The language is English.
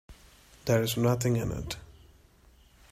There's nothing in it.